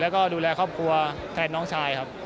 แล้วก็ดูแลครอบครัวแทนน้องชายครับ